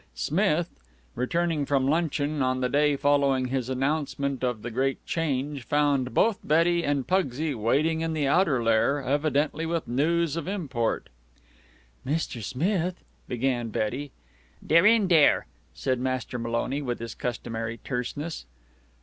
Smith, returning from luncheon on the day following his announcement of the great change, found both Betty and Pugsy waiting in the outer lair, evidently with news of import. "Mr. Smith," began Betty. "Dey're in dere," said Master Maloney with his customary terseness.